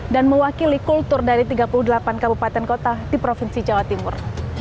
dan mewakili kultur dari tiga puluh delapan kabupaten kota di provinsi jawa timur